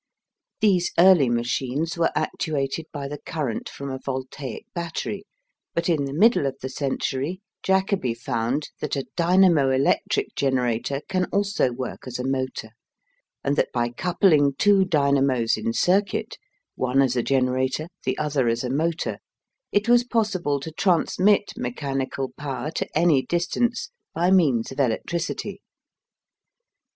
These early machines were actuated by the current from a voltaic battery, but in the middle of the century Jacobi found that a dynamo electric generator can also work as a motor, and that by coupling two dynamos in circuit one as a generator, the other as a motor it was possible to transmit mechanical power to any distance by means of electricity.